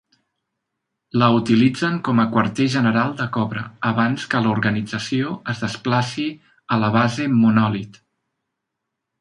La utilitzen com a quarter general de Cobra abans que l'organització es desplaci a la base Monòlit.